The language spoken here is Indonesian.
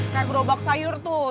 kayak berobak sayur tuh